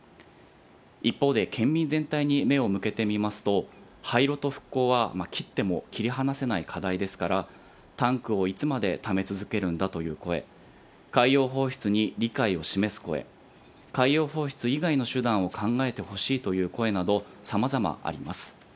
一方で、県民全体に目を向けてみますと、廃炉と復興は切っても切り離せない課題ですから、タンクをいつまでため続けるんだという声、海洋放出に理解を示す声、海洋放出以外の手段を考えてほしいという声など、さまざまあります。